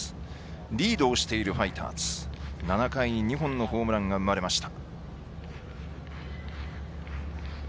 リードしているファイターズ７回に２本のホームランが生まれました。